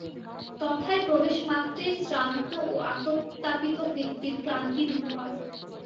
তথায় প্রবেশমাত্রেই শ্রান্ত ও আতপতাপিত ব্যক্তির ক্লান্তি দূর হয়।